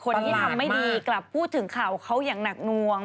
คนที่ทำไม่ดีกลับพูดถึงข่าวเขาอย่างหนักนวง